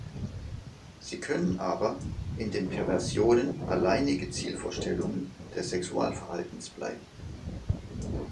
Sie können aber „in den Perversionen alleinige Zielvorstellung des Sexualverhaltens bleiben.